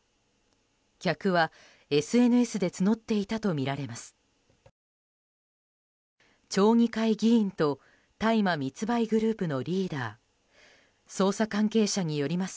客はＳＮＳで募っていたとみられます。